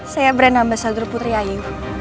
saya bernama sadro putri ayu